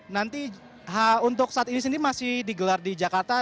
nanti untuk saat ini sendiri masih digelar di jakarta